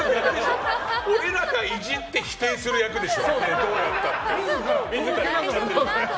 俺らがイジって否定する役でしょ？